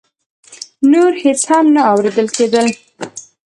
نور هېڅ هم نه اورېدل کېدل.